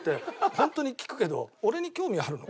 本当に聞くけど俺に興味あるの？